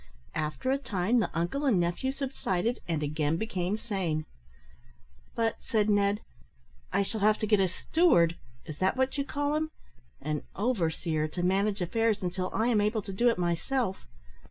After a time, the uncle and nephew subsided, and again became sane. "But," said Ned, "I shall have to get a steward is that what you call him? or overseer, to manage affairs until I am able to do it myself."